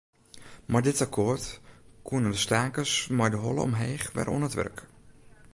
Mei dit akkoart koenen de stakers mei de holle omheech wer oan it wurk.